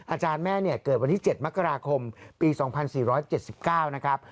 อาจารย์แม่เนี่ยเกิดวันที่๗มกราคมปี๒๔๗๙นะครับ